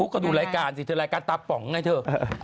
ก็ดูรายการสิเธอรายการตาป๋องไงเธอ